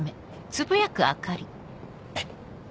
えっ？